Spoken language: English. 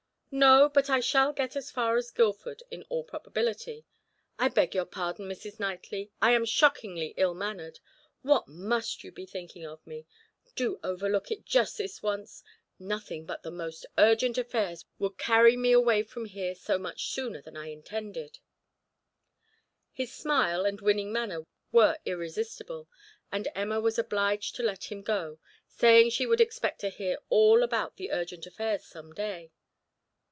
"No, but I shall get as far as Guilford, in all probability. I beg your pardon, Mrs. Knightley, I am shockingly ill mannered; what must you be thinking of me? Do overlook it just this once; nothing but the most urgent affairs would carry me away from here so much sooner than I had intended." His smile and winning manner were irresistible, and Emma was obliged to let him go, saying she would expect to hear all about the urgent affairs some day.